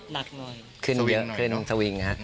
นักหน่อยสวิงหน่อยครับขึ้นเยอะขึ้นสวิงครับ